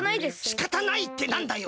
しかたないってなんだよ。